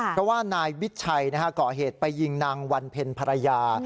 เพราะว่านายวิชัยก่อเหตุไปยิงนางวันเพ็ญภรรยา